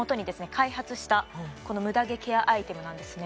開発したムダ毛ケアアイテムなんですね